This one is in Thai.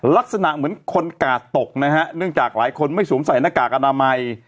ลักษณะเหมือนคนกาดตกนะฮะเนื่องจากหลายคนไม่สวมใส่หน้ากากอนามัย